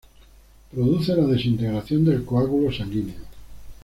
Produce la desintegración del coágulo sanguíneo.